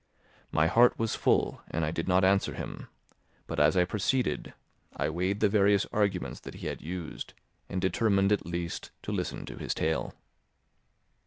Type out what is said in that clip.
My heart was full, and I did not answer him, but as I proceeded, I weighed the various arguments that he had used and determined at least to listen to his tale.